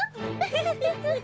フフフ。